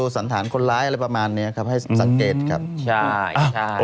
สันฐานคนร้ายอะไรประมาณเนี้ยครับให้สังเกตครับใช่ใช่